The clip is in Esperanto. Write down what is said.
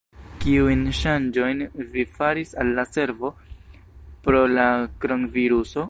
Kiujn ŝanĝojn vi faris al la servo pro la kronviruso?